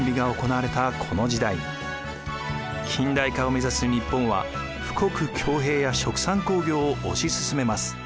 近代化を目指す日本は富国強兵や殖産興業を推し進めます。